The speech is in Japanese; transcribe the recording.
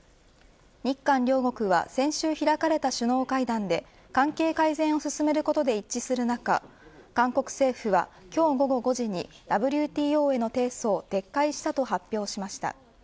日韓両国は先週開かれた首脳会談で関係改善を進めることで一致する中韓国政府は、今日午後５時にＷＴＯへの提訴を撤回したと発表しました。